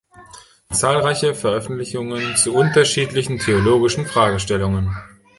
Zahlreiche Veröffentlichungen zu unterschiedlichen theologischen Fragestellungen.